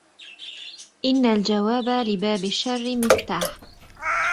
إن الجـواب لبـاب الشـر مفتـاح